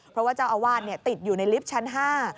เพราะว่าเจ้าอาวาสเนี่ยติดอยู่ในลิฟต์ชั้นห้า